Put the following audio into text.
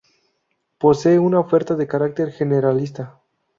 Posee una oferta de carácter generalista.